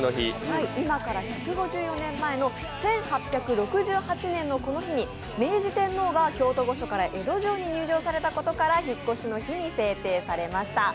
今から１５４年前の１８６８年のこの日に明治天皇が京都御所から江戸城に入城されたことから引っ越しの日に制定されました。